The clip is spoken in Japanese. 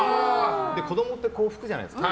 子供ってこう拭くじゃないですか。